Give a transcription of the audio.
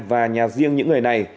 và nhà riêng những người này